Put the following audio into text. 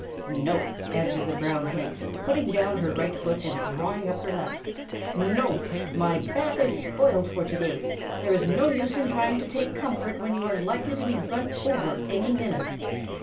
"No!" answered the Brown Hen, putting down her right foot and drawing up her left. "No! My bath is spoiled for to day. There is no use in trying to take comfort when you are likely to be run over any minute."